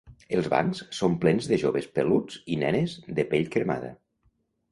Els bancs són plens de joves peluts i nenes de pell cremada.